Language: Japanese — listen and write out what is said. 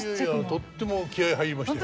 とっても気合い入りましたよ。